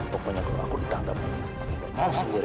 pokoknya kalau aku ditangkap mau sendiri